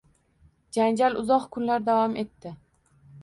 Janjal uzoq kunlar davom etdi.